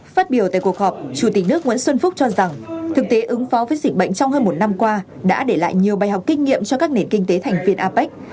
phát biểu tại cuộc họp chủ tịch nước nguyễn xuân phúc cho rằng thực tế ứng phó với dịch bệnh trong hơn một năm qua đã để lại nhiều bài học kinh nghiệm cho các nền kinh tế thành viên apec